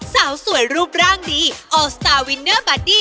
สาวสวยรูปร่างดีโอสตาร์วินเนอร์บาดี้